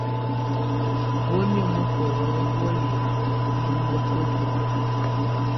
Wǝ́miǝ́ mɔkɔlɔ wɔ lɛ́ núŋǝ́kǝ́tɔ́.